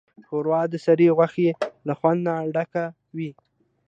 ښوروا د سرې غوښې له خوند نه ډکه وي.